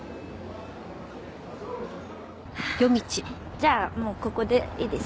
じゃあもうここでいいです。